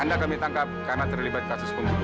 anda kami tangkap karena terlibat kasus pembunuhan